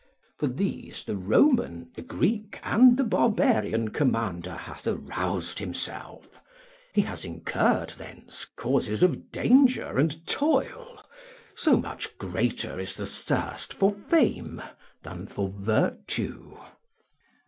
["For these the Roman, the Greek, and the Barbarian commander hath aroused himself; he has incurred thence causes of danger and toil: so much greater is the thirst for fame than for virtue."